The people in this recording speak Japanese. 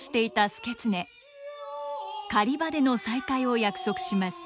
狩場での再会を約束します。